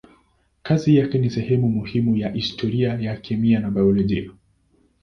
Kazi yake ni sehemu muhimu ya historia ya kemia na biolojia.